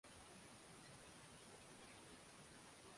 Alitoroka nyumbani kwao baada ya dhiki